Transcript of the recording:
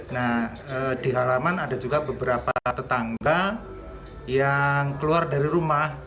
nah di halaman ada juga beberapa tetangga yang keluar dari rumah